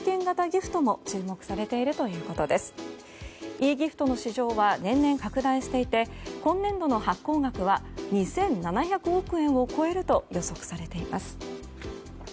ｅギフトの市場は年々拡大していて今年度の発行額は２７００億円を超えると予測されています。